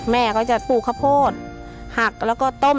แม่ก็จะปลูกข้าวโพดหักแล้วก็ต้ม